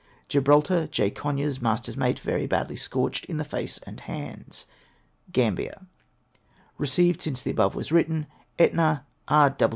Gibraltar, J, Conyers, Master's Mate ; very badly scorched in the face and hands. Gambier. Eeceived since the above was written. Etna, R.